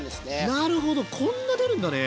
なるほどこんな出るんだね！